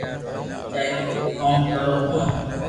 جائين ڪوم ڪرو ھون